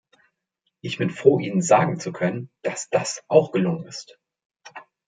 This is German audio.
Ich bin froh, Ihnen sagen zu können, dass das auch gelungen ist.